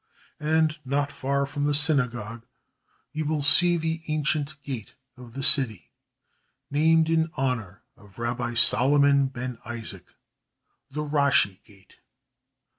And not far from the synagogue you will see the ancient gate of the city, named in honor of Rabbi Solomon ben Isaac, the Rashi Gate.